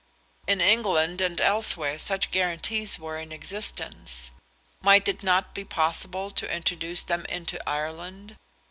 In England and elsewhere such guarantees were in existence. Might it not be possible to introduce them into Ireland?